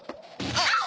あっ！